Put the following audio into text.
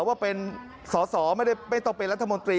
ว่าเป็นสอสอไม่ต้องเป็นรัฐมนตรี